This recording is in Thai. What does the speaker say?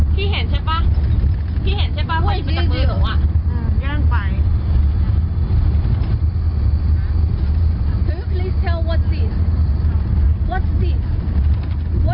พี่เห็นใช่ป่ะพี่เห็นใช่ป่ะเขาอีกไปจากมือหนูอ่ะ